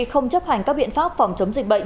không chấp hành các biện pháp phòng chống dịch bệnh